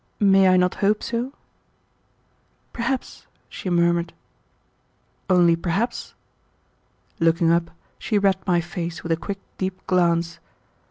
May I not hope so?" "Perhaps," she murmured. "Only perhaps?" Looking up, she read my face with a quick, deep glance.